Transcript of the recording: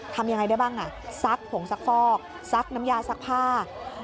ทำยังไงได้บ้างซักผงซักฟอกซักน้ำยาซักผ้า